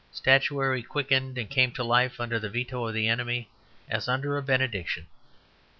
Statuary quickened and came to life under the veto of the enemy as under a benediction.